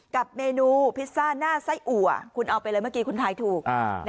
กับเมนูพิซซ่าหน้าไส้อัวคุณเอาไปเลยเมื่อกี้คุณทายถูก